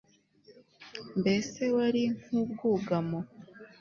mbese wari nk'ubwugamo